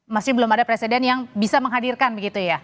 masih belum ada presiden yang bisa menghadirkan begitu ya